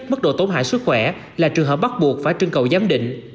mức độ tổn hại sức khỏe là trường hợp bắt buộc phải trưng cầu giám định